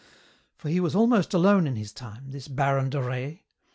"For he was almost alone in his time, this baron de Rais.